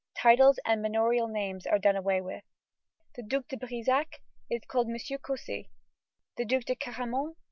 Titles and manorial names are done away with. The Duke de Brissac is called M. Cossé; the Duke de Caraman, M.